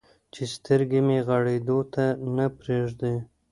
چې سترګې مې غړېدو ته نه پرېږدي.